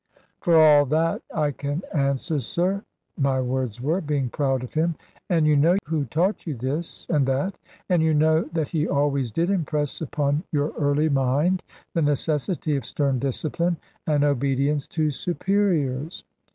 "For all that I can answer, sir," my words were, being proud of him; "and you know who taught you this, and that. And you know that he always did impress upon your early mind the necessity of stern discipline, and obedience to superiors.